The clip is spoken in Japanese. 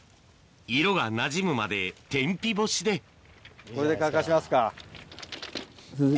色がなじむまで天日干しでこれで乾かしますか。